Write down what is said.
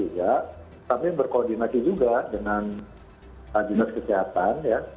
ya tapi berkoordinasi juga dengan jumat kesehatan ya